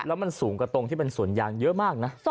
แล้วมันสูงกว่าตรงที่เป็นสวนยางเยอะมากนะ